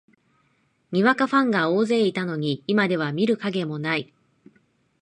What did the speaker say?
にわかファンが大勢いたのに、今では見る影もない